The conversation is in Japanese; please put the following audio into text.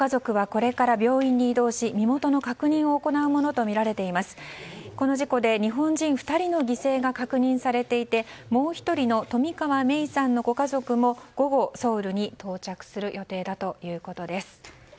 この事故で、日本人２人の犠牲が確認されていてもう１人の冨川芽生さんのご家族も午後、ソウルに到着する予定だということです。